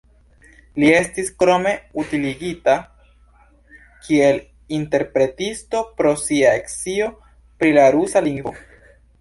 Li estis krome utiligita kiel interpretisto pro sia scio pri la rusa lingvo.